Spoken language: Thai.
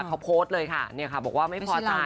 เขาโพสต์เลยค่ะบอกว่าไม่พอใจ